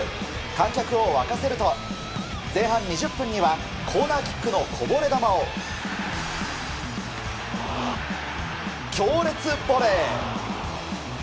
観客を沸かせると前半２０分にはコーナーキックのこぼれ球を強烈ボレー！